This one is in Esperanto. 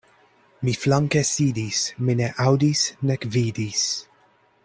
Mi flanke sidis, mi ne aŭdis nek vidis.